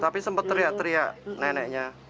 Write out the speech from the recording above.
tapi sempat teriak teriak neneknya